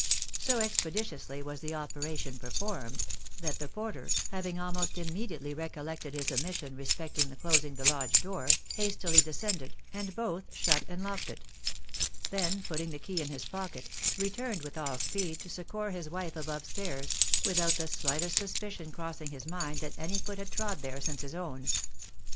So expeditiously was the operation performed, that the porter, having almost immediately recollected his omission respecting the closing the lodge door, hastily descended, and both shut and locked it; then putting the key in his pocket, returned with all speed to succour his wife above stairs, without the slightest suspicion crossing his mind that any foot had trod there since his own.